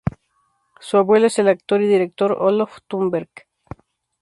Su abuelo es el actor y director Olof Thunberg.